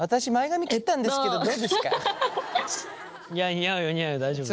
似合うよ似合うよ大丈夫だよ。